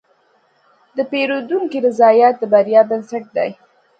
د پیرودونکي رضایت د بریا بنسټ دی.